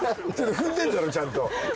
踏んでんだろちゃんと。